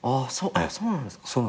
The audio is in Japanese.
そうなんですか？